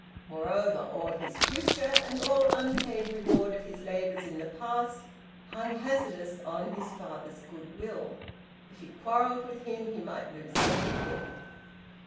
Moreover, all his future, and all unpaid reward of his labours in the past, hung hazardous on his father's goodwill. If he quarrelled with him, he might lose everything.